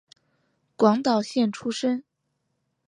广岛县出身。